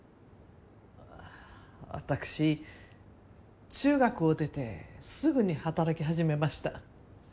私中学を出てすぐに働き始めました。